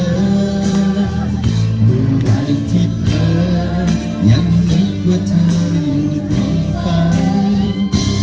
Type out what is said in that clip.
เมื่อไหร่ที่เผลอยังนึกว่าเธออยู่ข้างใกล้